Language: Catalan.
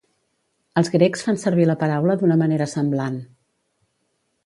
Els grecs fan servir la paraula d'una manera semblant.